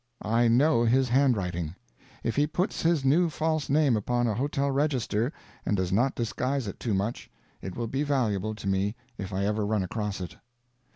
I know his handwriting. If he puts his new false name upon a hotel register and does not disguise it too much, it will be valuable to me if I ever run across it.